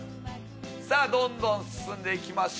どんどん進んでいきましょう！